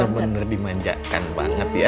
wah bener bener dimanjakan banget ya